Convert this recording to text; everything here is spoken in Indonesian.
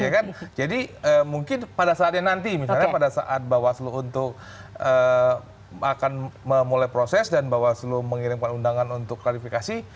ya kan jadi mungkin pada saatnya nanti misalnya pada saat bawaslu untuk akan memulai proses dan bawaslu mengirimkan undangan untuk klarifikasi